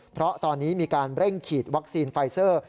เพราะตอนนี้มีการเร่งฉีดวัคซีนไฟเซอร์